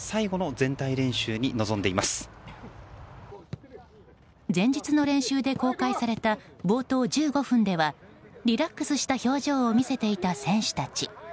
前日の練習で公開された冒頭１５分ではリラックスした表情を見せていた選手たち。